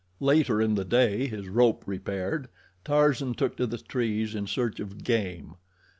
Later in the day, his rope repaired, Tarzan took to the trees in search of game.